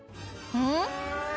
えっ？